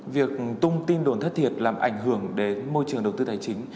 việc tung tin đồn thất thiệt làm ảnh hưởng đến môi trường đầu tư tài chính